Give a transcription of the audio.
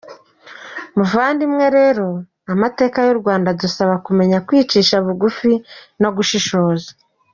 Muvandimwe rero, amateka y’u Rwanda adusaba kumenya kwicisha bugufi no gushishoza.